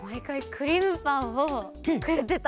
クリームパンをくれてた。